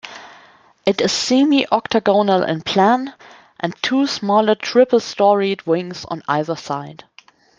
It is semi octagonal in plan and two smaller triple-storeyed wings on either side.